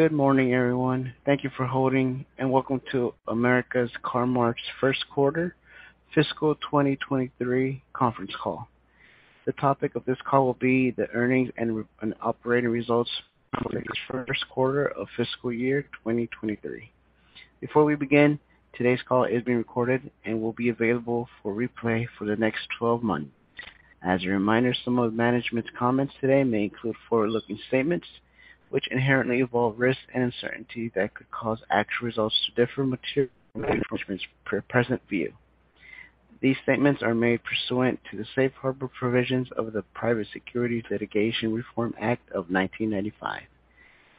Good morning, everyone. Thank you for holding and Welcome to America's Car-Mart's First Quarter Fiscal 2023 Conference Call. The topic of this call will be the earnings and operating results for the 1st quarter of fiscal year 2023. Before we begin, today's call is being recorded and will be available for replay for the next 12 months. As a reminder, some of management's comments today may include forward-looking statements, which inherently involve risks and uncertainty that could cause actual results to differ materially from management's present view. These statements are made pursuant to the safe harbor provisions of the Private Securities Litigation Reform Act of 1995.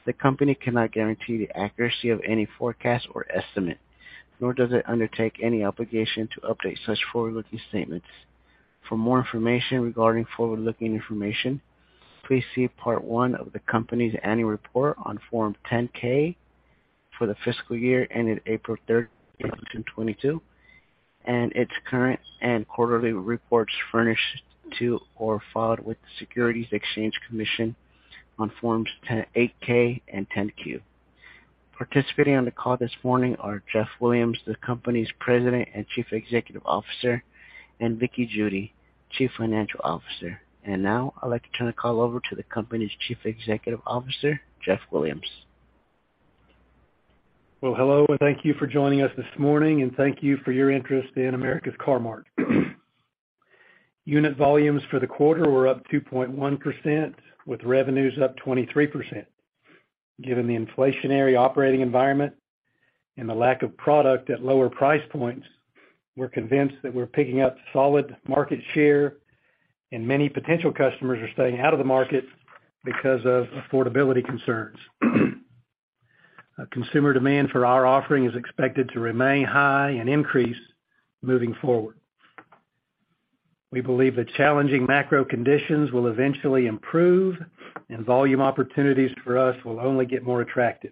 The company cannot guarantee the accuracy of any forecast or estimate, nor does it undertake any obligation to update such forward-looking statements. For more information regarding forward-looking information, please see Part One of the company's Annual Report on Form 10-K for the fiscal year ended April 3rd, two thousand and twenty-two, and its current and quarterly reports furnished to or filed with the Securities and Exchange Commission on Forms 8-K and 10-Q. Participating on the call this morning are Jeff Williams, the company's President and Chief Executive Officer, and Vickie Judy, Chief Financial Officer. Now, I'd like to turn the call over to the company's Chief Executive Officer, Jeff Williams. Well, hello, and thank you for joining us this morning, and thank you for your interest in America's Car-Mart. Unit volumes for the quarter were up 2.1%, with revenues up 23%. Given the inflationary operating environment and the lack of product at lower price points, we're convinced that we're picking up solid market share, and many potential customers are staying out of the market because of affordability concerns. Consumer demand for our offering is expected to remain high and increase moving forward. We believe the challenging macro conditions will eventually improve, and volume opportunities for us will only get more attractive.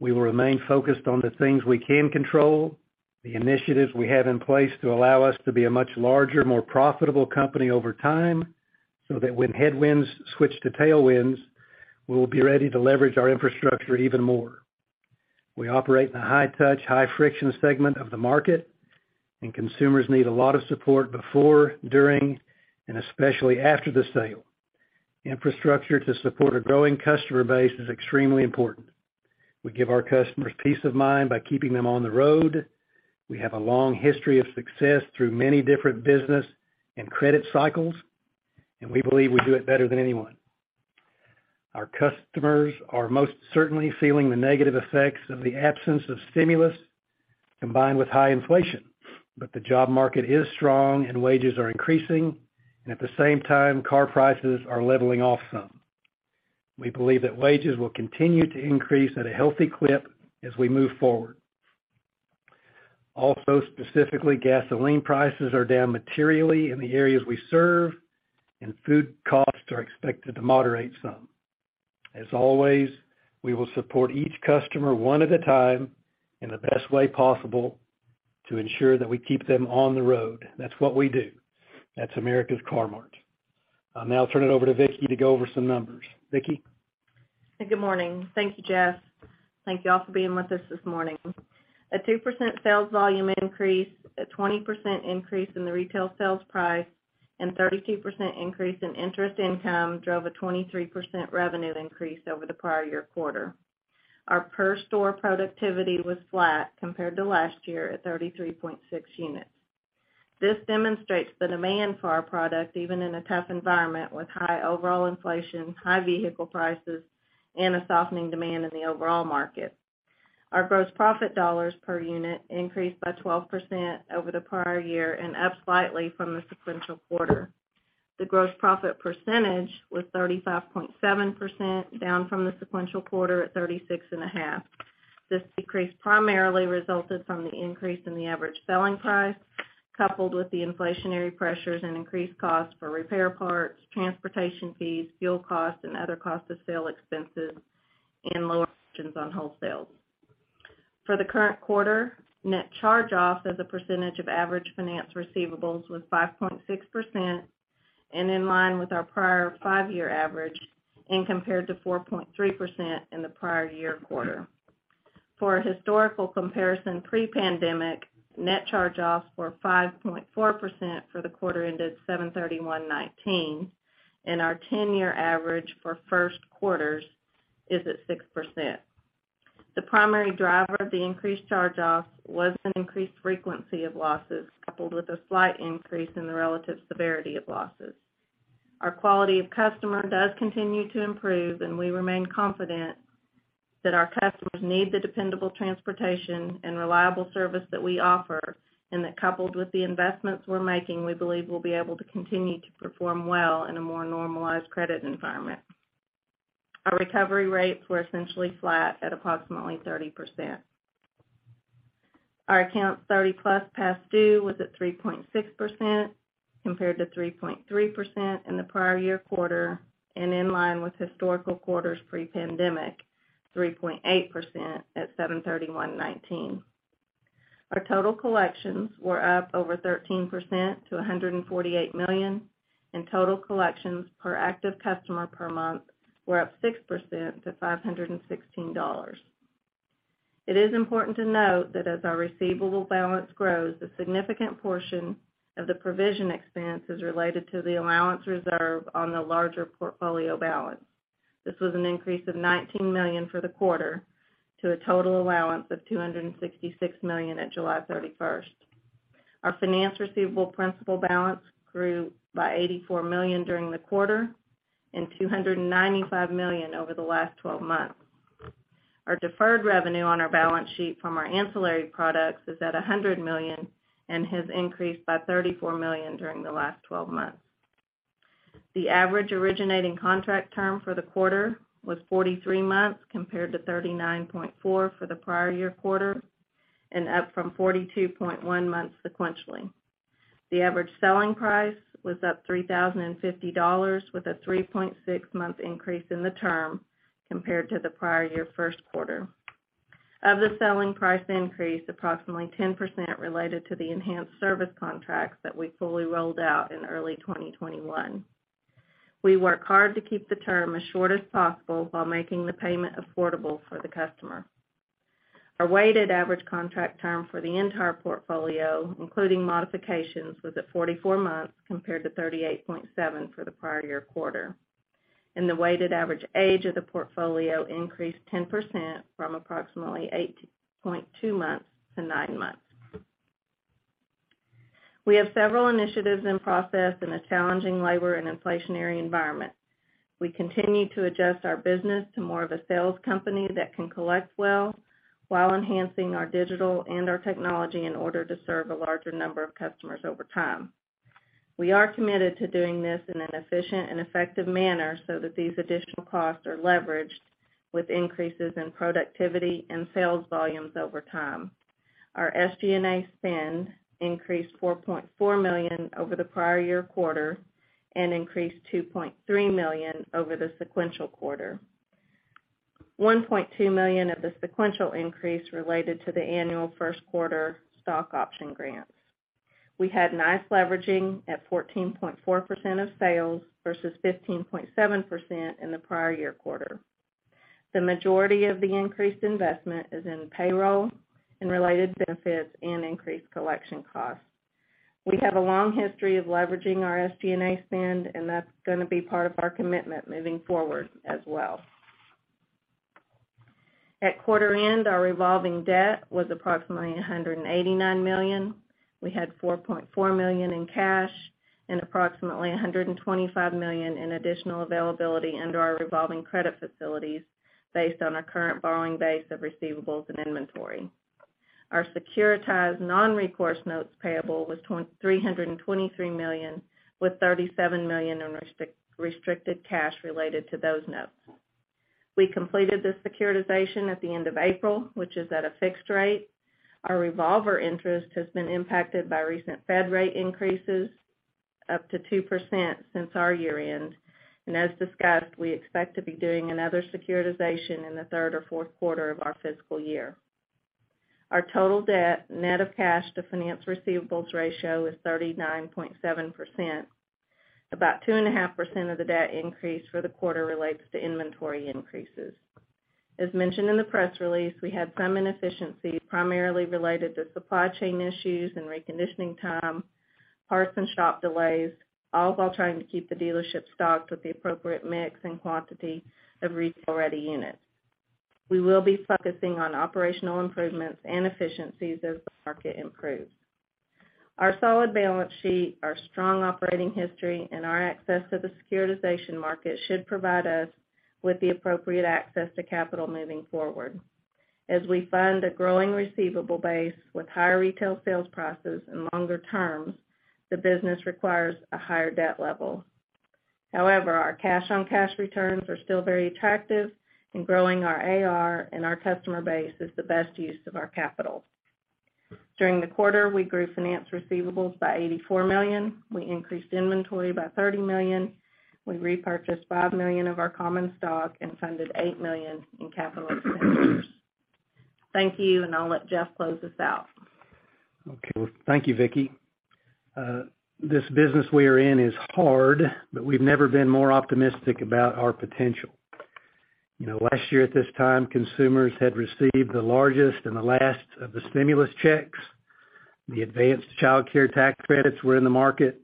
We will remain focused on the things we can control, the initiatives we have in place to allow us to be a much larger, more profitable company over time, so that when headwinds switch to tailwinds, we will be ready to leverage our infrastructure even more. We operate in a high-touch, high-friction segment of the market, and consumers need a lot of support before, during, and especially after the sale. Infrastructure to support a growing customer base is extremely important. We give our customers peace of mind by keeping them on the road. We have a long history of success through many different business and credit cycles, and we believe we do it better than anyone. Our customers are most certainly feeling the negative effects of the absence of stimulus combined with high inflation, but the job market is strong and wages are increasing, and at the same time, car prices are leveling off some. We believe that wages will continue to increase at a healthy clip as we move forward. Also, specifically, gasoline prices are down materially in the areas we serve, and food costs are expected to moderate some. As always, we will support each customer one at a time in the best way possible to ensure that we keep them on the road. That's what we do. That's America's Car-Mart. I'll now turn it over to Vickie to go over some numbers. Vickie? Good morning. Thank you, Jeff. Thank you all for being with us this morning. A 2% sales volume increase, a 20% increase in the retail sales price, and 32% increase in interest income drove a 23% revenue increase over the prior year quarter. Our per store productivity was flat compared to last year at 33.6 units. This demonstrates the demand for our product, even in a tough environment with high overall inflation, high vehicle prices, and a softening demand in the overall market. Our gross profit dollars per unit increased by 12% over the prior year and up slightly from the sequential quarter. The gross profit percentage was 35.7%, down from the sequential quarter at 36.5%. This decrease primarily resulted from the increase in the average selling price, coupled with the inflationary pressures and increased costs for repair parts, transportation fees, fuel costs, and other cost of sale expenses, and lower margins on wholesales. For the current quarter, net charge-offs as a percentage of average finance receivables was 5.6% and in line with our prior five year average and compared to 4.3% in the prior year quarter. For a historical comparison pre-pandemic, net charge-offs were 5.4% for the quarter ended 07/31/2019, and our 10 year average for 1st quarters is at 6%. The primary driver of the increased charge-offs was an increased frequency of losses, coupled with a slight increase in the relative severity of losses. Our quality of customer does continue to improve, and we remain confident that our customers need the dependable transportation and reliable service that we offer, and that coupled with the investments we're making, we believe we'll be able to continue to perform well in a more normalized credit environment. Our recovery rates were essentially flat at approximately 30%. Our account 30+ past due was at 3.6%, compared to 3.3% in the prior year quarter and in line with historical quarters pre-pandemic, 3.8% at 07/31/2019. Our total collections were up over 13% to $148 million, and total collections per active customer per month were up 6% to $516. It is important to note that as our receivable balance grows, a significant portion of the provision expense is related to the allowance reserve on the larger portfolio balance. This was an increase of $19 million for the quarter to a total allowance of $266 million at July 31st. Our finance receivable principal balance grew by $84 million during the quarter and $295 million over the last twelve months. Our deferred revenue on our balance sheet from our ancillary products is at $100 million and has increased by $34 million during the last twelve months. The average originating contract term for the quarter was 43 months, compared to 39.4 for the prior year quarter, and up from 42.1 months sequentially. The average selling price was up $3,050 with a 3.6 month increase in the term compared to the prior year 1st quarter. Of the selling price increase, approximately 10% related to the enhanced service contracts that we fully rolled out in early 2021. We work hard to keep the term as short as possible while making the payment affordable for the customer. Our weighted average contract term for the entire portfolio, including modifications, was at 44 months compared to 38.7 for the prior year quarter. The weighted average age of the portfolio increased 10% from approximately 8.2 months to nine months. We have several initiatives in process in a challenging labor and inflationary environment. We continue to adjust our business to more of a sales company that can collect well while enhancing our digital and our technology in order to serve a larger number of customers over time. We are committed to doing this in an efficient and effective manner so that these additional costs are leveraged with increases in productivity and sales volumes over time. Our SG&A spend increased $4.4 million over the prior year quarter and increased $2.3 million over the sequential quarter. $1.2 million of the sequential increase related to the annual 1st quarter stock option grants. We had nice leveraging at 14.4% of sales versus 15.7% in the prior year quarter. The majority of the increased investment is in payroll and related benefits and increased collection costs. We have a long history of leveraging our SG&A spend, and that's gonna be part of our commitment moving forward as well. At quarter end, our revolving debt was approximately $189 million. We had $4.4 million in cash and approximately $125 million in additional availability under our revolving credit facilities based on our current borrowing base of receivables and inventory. Our securitized non-recourse notes payable was $323 million, with $37 million in restricted cash related to those notes. We completed the securitization at the end of April, which is at a fixed rate. Our revolver interest has been impacted by recent Fed rate increases up to 2% since our year-end. As discussed, we expect to be doing another securitization in the 3rd or 4th quarter of our fiscal year. Our total debt, net of cash to finance receivables ratio is 39.7%. About 2.5% of the debt increase for the quarter relates to inventory increases. As mentioned in the press release, we had some inefficiencies, primarily related to supply chain issues and reconditioning time, parts and shop delays, all while trying to keep the dealership stocked with the appropriate mix and quantity of retail-ready units. We will be focusing on operational improvements and efficiencies as the market improves. Our solid balance sheet, our strong operating history, and our access to the securitization market should provide us with the appropriate access to capital moving forward. As we fund a growing receivable base with higher retail sales prices and longer terms, the business requires a higher debt level. However, our cash-on-cash returns are still very attractive, and growing our AR and our customer base is the best use of our capital. During the quarter, we grew finance receivables by $84 million. We increased inventory by $30 million. We repurchased $5 million of our common stock and funded $8 million in capital expenditures. Thank you, and I'll let Jeff close us out. Okay. Thank you, Vickie. This business we are in is hard, but we've never been more optimistic about our potential. You know, last year at this time, consumers had received the largest and the last of the stimulus checks. The advanced childcare tax credits were in the market.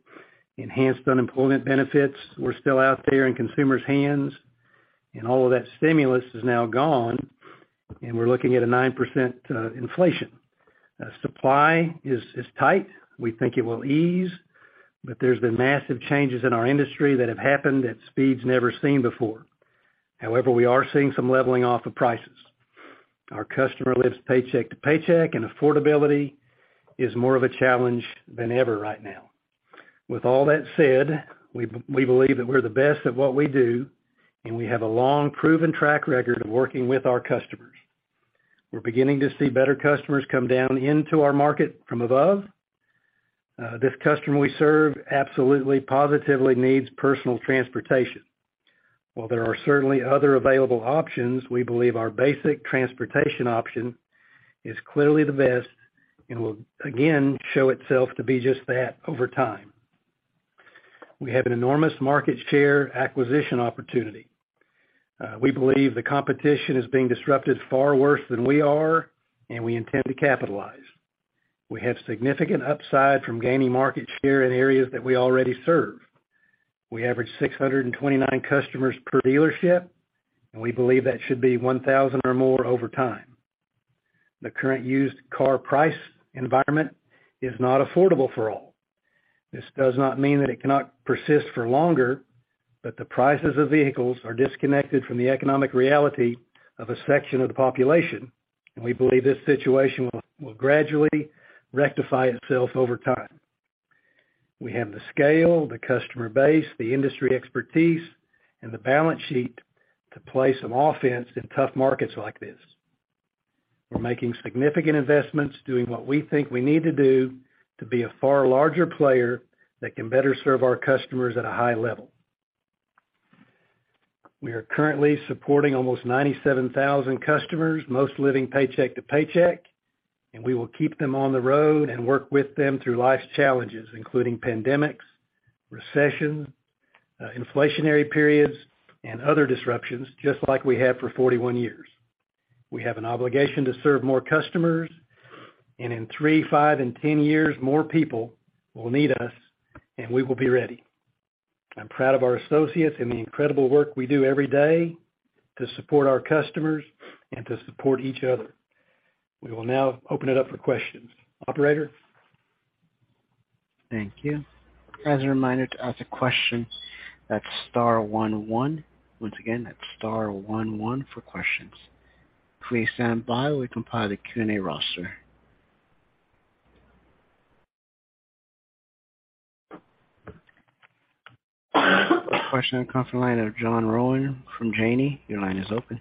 Enhanced unemployment benefits were still out there in consumers' hands, and all of that stimulus is now gone, and we're looking at a 9% inflation. Supply is tight. We think it will ease, but there's been massive changes in our industry that have happened at speeds never seen before. However, we are seeing some leveling off of prices. Our customer lives paycheck to paycheck, and affordability is more of a challenge than ever right now. With all that said, we believe that we're the best at what we do, and we have a long, proven track record of working with our customers. We're beginning to see better customers come down into our market from above. This customer we serve absolutely positively needs personal transportation. While there are certainly other available options, we believe our basic transportation option is clearly the best, and will again show itself to be just that over time. We have an enormous market share acquisition opportunity. We believe the competition is being disrupted far worse than we are, and we intend to capitalize. We have significant upside from gaining market share in areas that we already serve. We average 629 customers per dealership, and we believe that should be 1,000 or more over time. The current used car price environment is not affordable for all. This does not mean that it cannot persist for longer, but the prices of vehicles are disconnected from the economic reality of a section of the population, and we believe this situation will gradually rectify itself over time. We have the scale, the customer base, the industry expertise, and the balance sheet to play some offense in tough markets like this. We're making significant investments, doing what we think we need to do to be a far larger player that can better serve our customers at a high level. We are currently supporting almost 97,000 customers, most living paycheck to paycheck, and we will keep them on the road and work with them through life's challenges, including pandemics, recession, inflationary periods, and other disruptions, just like we have for 41 years. We have an obligation to serve more customers, and in three, five, and ten years, more people will need us, and we will be ready. I'm proud of our associates and the incredible work we do every day to support our customers and to support each other. We will now open it up for questions. Operator? Thank you. As a reminder, to ask a question, that's star one one. Once again, that's star one one for questions. Please stand by while we compile the Q&A roster. A question coming from the line of John Rowan from Janney Montgomery Scott. Your line is open.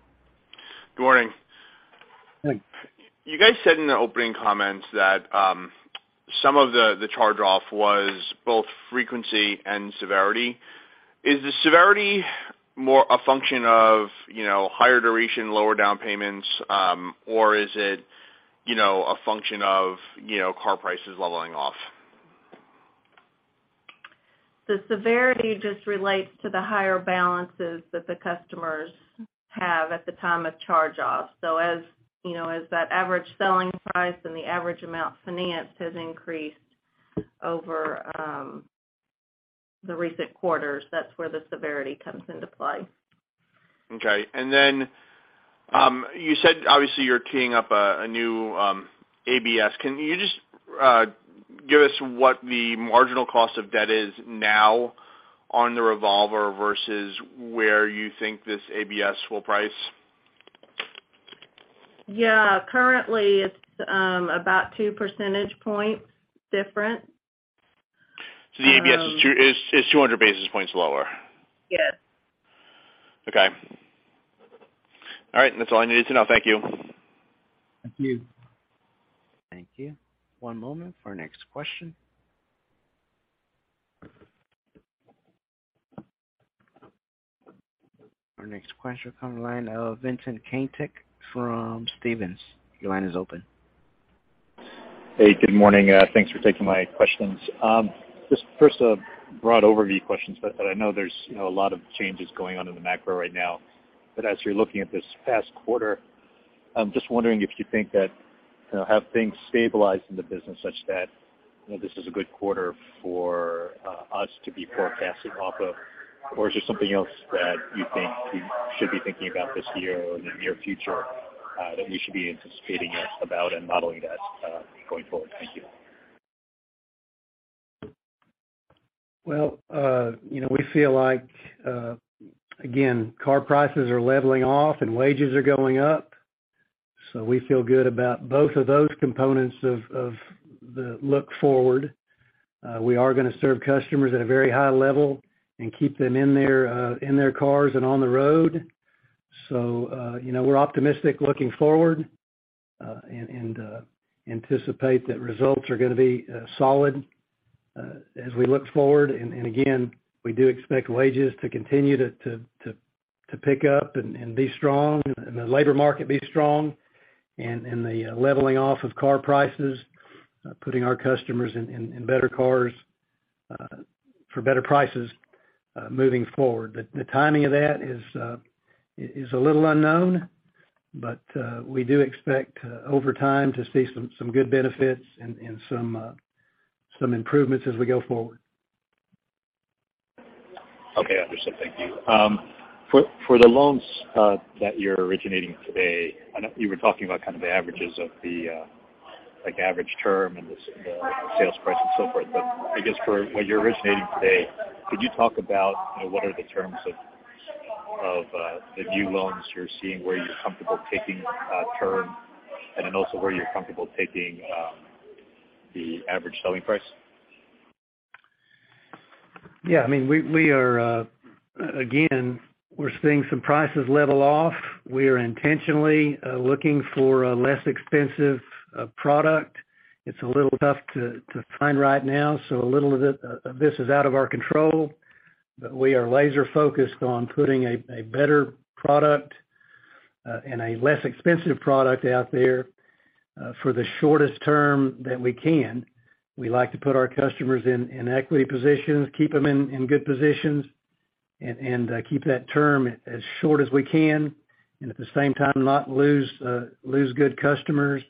Good morning. Good morning. You guys said in the opening comments that some of the charge-off was both frequency and severity. Is the severity more a function of, you know, higher duration, lower down payments, or is it, you know, a function of, you know, car prices leveling off? The severity just relates to the higher balances that the customers have at the time of charge-offs. As, you know, as that average selling price and the average amount financed has increased over the recent quarters, that's where the severity comes into play. Okay. You said obviously you're teeing up a new ABS. Can you just give us what the marginal cost of debt is now on the revolver versus where you think this ABS will price? Yeah. Currently it's about two percentage points different. The ABS is 200 basis points lower? Yes. Okay. All right. That's all I needed to know. Thank you. Thank you. Thank you. One moment for our next question. Our next question comes from the line of Vincent Caintic from Stephens. Your line is open. Hey, good morning. Thanks for taking my questions. Just 1st a broad overview questions. I know there's, you know, a lot of changes going on in the macro right now. As you're looking at this past quarter, I'm just wondering if you think that, you know, have things stabilized in the business such that, you know, this is a good quarter for us to be forecasting off of? Or is there something else that you think we should be thinking about this year or in the near future that we should be anticipating about and modeling that going forward? Thank you. Well, you know, we feel like, again, car prices are leveling off and wages are going up, so we feel good about both of those components of the look forward. We are gonna serve customers at a very high level and keep them in their cars and on the road. You know, we're optimistic looking forward and anticipate that results are gonna be solid as we look forward. Again, we do expect wages to continue to pick up and be strong and the labor market be strong and the leveling off of car prices putting our customers in better cars for better prices moving forward. The timing of that is a little unknown, but we do expect over time to see some good benefits and some improvements as we go forward. Okay, understood. Thank you. For the loans that you're originating today, I know you were talking about kind of the averages of the like average term and the sales price and so forth. I guess for what you're originating today, could you talk about, you know, what are the terms of the new loans you're seeing where you're comfortable taking term, and then also where you're comfortable taking the average selling price? Yeah. I mean, we are again, we're seeing some prices level off. We are intentionally looking for a less expensive product. It's a little tough to find right now, so a little of it of this is out of our control. We are laser focused on putting a better product and a less expensive product out there for the shortest term that we can. We like to put our customers in equity positions, keep them in good positions, and keep that term as short as we can, and at the same time, not lose good customers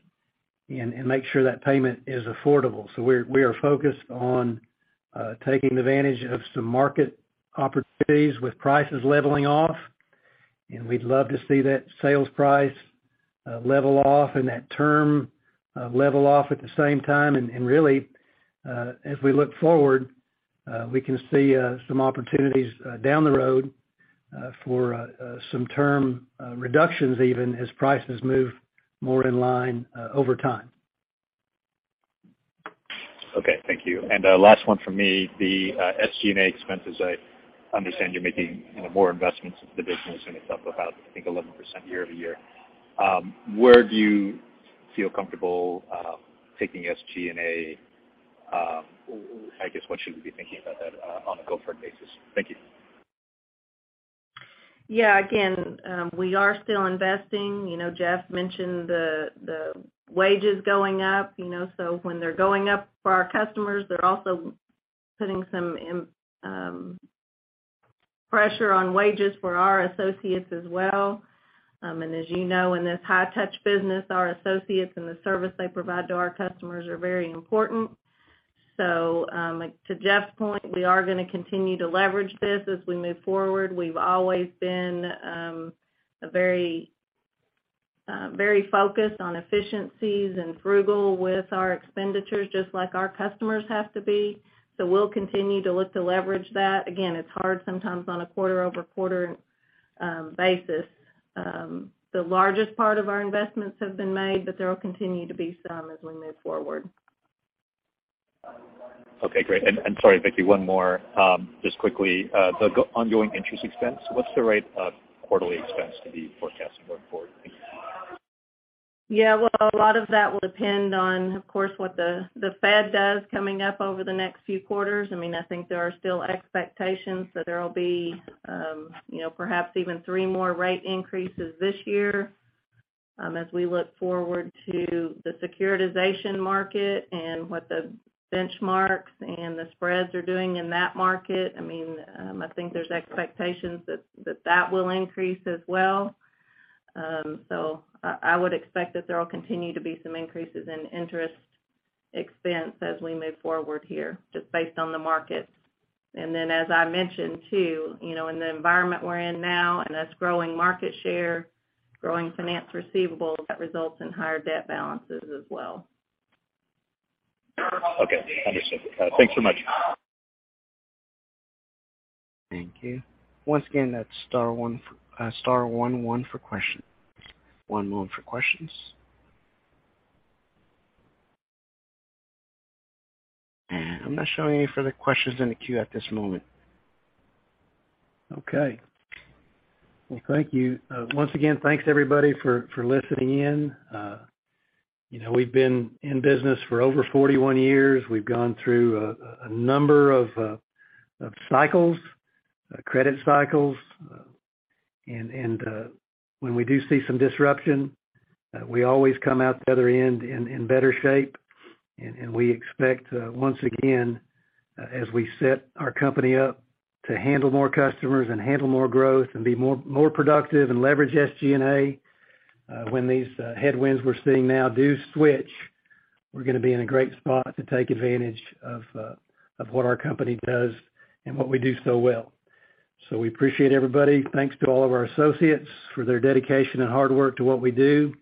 and make sure that payment is affordable. We are focused on taking advantage of some market opportunities with prices leveling off. We'd love to see that sales price level off and that term level off at the same time. Really, as we look forward, we can see some opportunities down the road for some term reductions even as prices move more in line over time. Okay. Thank you. Last one from me. The SG&A expenses, I understand you're making more investments into the business and it's up about, I think, 11% year-over-year. Where do you feel comfortable taking SG&A? I guess, what should we be thinking about that on a go-forward basis? Thank you. Yeah. Again, we are still investing. You know, Jeff mentioned the wages going up, you know. When they're going up for our customers, they're also putting some pressure on wages for our associates as well. As you know, in this high touch business, our associates and the service they provide to our customers are very important. To Jeff's point, we are gonna continue to leverage this as we move forward. We've always been very focused on efficiencies and frugal with our expenditures, just like our customers have to be. We'll continue to look to leverage that. Again, it's hard sometimes on a quarter-over-quarter basis. The largest part of our investments have been made, but there will continue to be some as we move forward. Okay, great. Sorry, Vickie, one more, just quickly. The ongoing interest expense, what's the right quarterly expense to be forecasting going forward? Yeah. Well, a lot of that will depend on, of course, what the Fed does coming up over the next few quarters. I mean, I think there are still expectations that there will be, you know, perhaps even three more rate increases this year. As we look forward to the securitization market and what the benchmarks and the spreads are doing in that market, I mean, I think there's expectations that that will increase as well. So I would expect that there will continue to be some increases in interest expense as we move forward here, just based on the market. Then as I mentioned, too, you know, in the environment we're in now, and us growing market share, growing finance receivables, that results in higher debt balances as well. Okay. Understood. Thanks so much. Thank you. Once again, that's star one for questions. I'm not showing any further questions in the queue at this moment. Okay. Well, thank you. Once again, thanks everybody for listening in. You know, we've been in business for over 41 years. We've gone through a number of cycles, credit cycles. When we do see some disruption, we always come out the other end in better shape. We expect, once again, as we set our company up to handle more customers and handle more growth and be more productive and leverage SG&A, when these headwinds we're seeing now do switch, we're gonna be in a great spot to take advantage of what our company does and what we do so well. We appreciate everybody. Thanks to all of our associates for their dedication and hard work to what we do.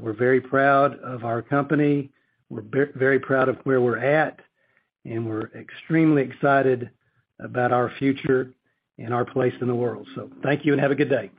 We're very proud of our company. We're very proud of where we're at, and we're extremely excited about our future and our place in the world. Thank you and have a good day.